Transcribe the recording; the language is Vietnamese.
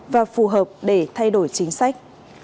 và phù hợp để thay đổi chính sách